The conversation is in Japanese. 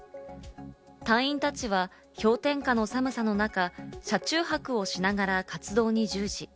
隊員たちは氷点下の寒さの中、車中泊をしながら活動に従事。